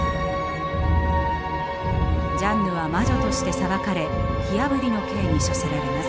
ジャンヌは魔女として裁かれ火あぶりの刑に処せられます。